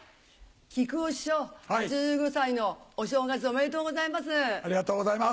木久扇師匠８５歳のお正月おめでとうございます。